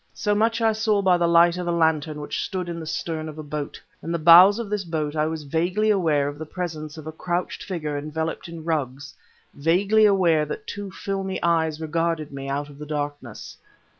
So much I saw by the light of a lantern which stood in the stern of a boat. In the bows of this boat I was vaguely aware of the presence of a crouched figure enveloped in rugs vaguely aware that two filmy eyes regarded me out of the darkness.